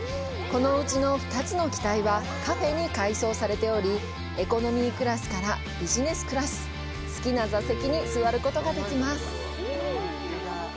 このうちの２つの機体はカフェに改装されており、エコノミークラスからビジネスクラス、好きな座席に座ることができます。